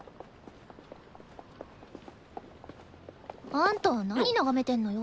あんたなに眺めてんのよ？